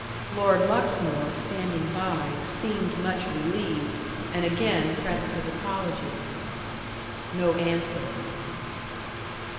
Lord Luxmore, standing by, seemed much relieved, and again pressed his apologies. No answer.